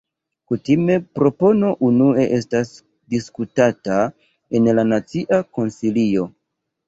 Kutime propono unue estas diskutata en la Nacia Konsilio.